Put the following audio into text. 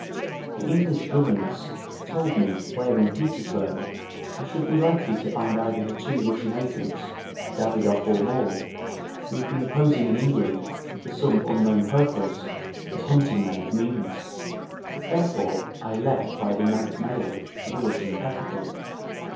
The English governess told me where in Petersburg I should be likely to find either the two Russian agents, Davidoff or Moore, who had been posing in England for some unknown purpose as hunting men of means; therefore I left by the night mail for the Russian capital.